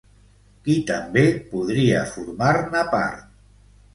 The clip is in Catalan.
Qui també podria formar-ne part?